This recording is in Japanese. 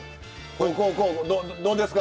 こうどうですか？